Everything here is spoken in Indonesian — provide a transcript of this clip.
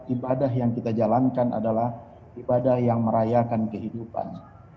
ibadah yang kita jalankan adalah ibadah yang merayakan kehidupan